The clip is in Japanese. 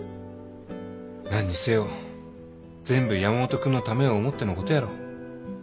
何にせよ全部山本君のためを思ってのことやろ。